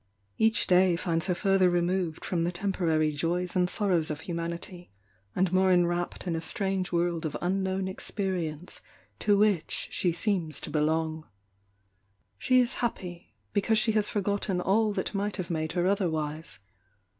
Each day finds her further removed from the temporary joys and sorrows of humanity, and more enwrapt in a strange world of unknown ex perience to which she seems to belong. She is happy, because she has forgotten all that might have made her otherwise.